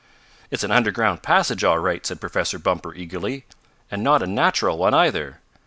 "It's an underground passage all right," said Professor Bumper eagerly; "and not a natural one, either.